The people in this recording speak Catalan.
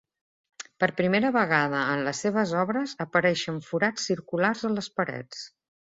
Per primera vegada en les seves obres apareixen forats circulars a les parets.